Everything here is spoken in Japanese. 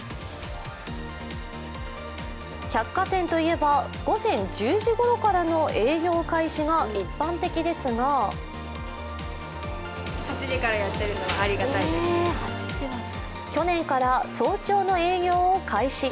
百貨店といえば、午前１０時ごろからの営業開始が一般的ですが去年から早朝の営業を開始。